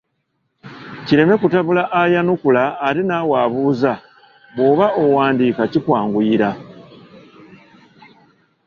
Kireme kutabula ayanukula ate naawe abuuza bw’oba owandiika kikwanguyira.